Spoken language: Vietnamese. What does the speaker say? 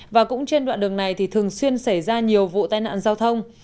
và cũng trên đoạn đường này thì thường xuyên xảy ra nhiều vụ tai nạn giao thông